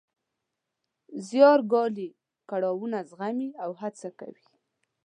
زیار ګالي، کړاوونه زغمي او هڅه کوي.